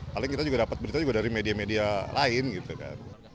paling kita juga dapat berita juga dari media media lain gitu kan